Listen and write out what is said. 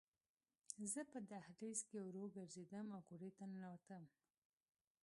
زه په دهلیز کې ورو ګرځېدم او کوټې ته ننوتم